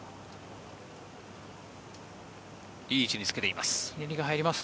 いい位置につけています。